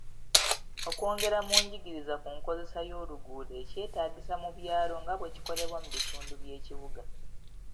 Okwongera mu njigiriza ku nkozesa y'oluguuddo ekyetagisa mu byalo nga bwekikolebwa mu bitundu by'ekibuga.